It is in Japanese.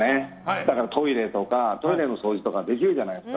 だから、トイレの掃除とかできるじゃないですか。